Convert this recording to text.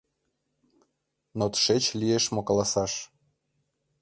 Но тышеч лиеш мо каласаш: